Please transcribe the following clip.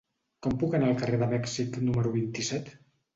Com puc anar al carrer de Mèxic número vint-i-set?